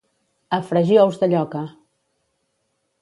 A fregir ous de lloca!